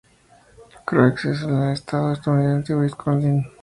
Croix, en el estado estadounidense de Wisconsin.